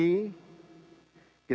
kita menempatkan dukungan yang berpengaruh